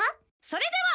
それでは。